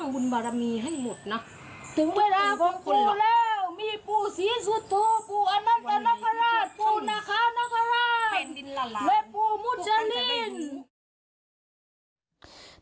ปูนาคานักพระราชและปูมุชลิน